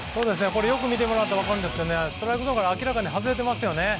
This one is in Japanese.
よく見てもらったら分かるんですけどストライクゾーンから明らかに外れてますよね。